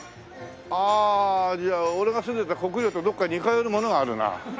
ああじゃあ俺が住んでた国領とどこか似通うものがあるな。